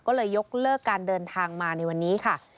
ก็เลยยกเลิกการเดินทางมาในวันนี้ค่ะ